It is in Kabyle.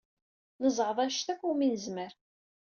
Nezɛeḍ anect akk umi nezmer.